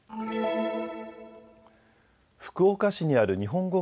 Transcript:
福岡市にある日本語